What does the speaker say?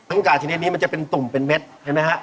กิ้งก่าที่นี่มันจะเป็นตุ่มเป็นเม็ดเห็นไหมครับ